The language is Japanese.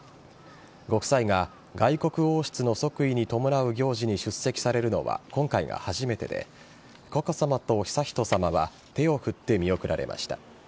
ご夫妻が外国王室の即位に伴う行事に出席されるのは今回が初めてで佳子さまと悠仁さまは手を振って見送られました。